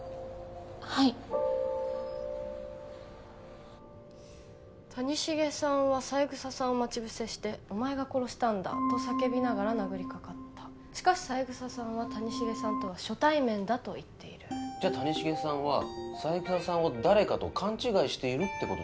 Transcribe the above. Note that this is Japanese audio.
はい谷繁さんは三枝さんを待ち伏せして「お前が殺したんだ」と叫びながら殴りかかったしかし三枝さんは谷繁さんとは初対面だと言ってる・谷繁さんは三枝さんを誰かと勘違いしてるってこと？